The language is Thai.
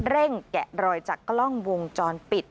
แกะรอยจากกล้องวงจรปิด